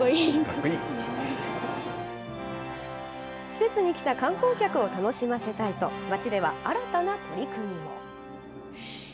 施設に来た観光客を楽しませたいと、街では新たな取り組みも。